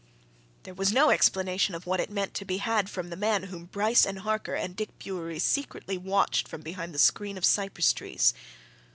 There was no explanation of what it meant to be had from the man whom Bryce and Harker and Dick Bewery secretly watched from behind the screen of cypress trees.